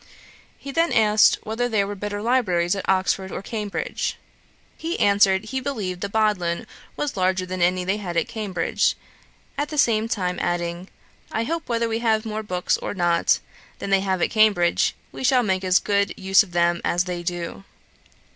He was then asked whether there were better libraries at Oxford or Cambridge. He answered, he believed the Bodleian was larger than any they had at Cambridge; at the same time adding, 'I hope, whether we have more books or not than they have at Cambridge, we shall make as good use of them as they do.'